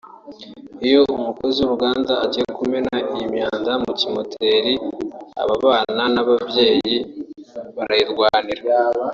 Iyo umukozi w’ uruganda agiye kumena iyi myanda mu kimoteri aba bana n’ ababyeyi barayirwanira